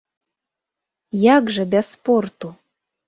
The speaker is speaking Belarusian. Як жа без спорту!